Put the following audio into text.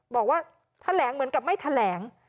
บอกว่าแถลงเหมือนกับไม่แถลง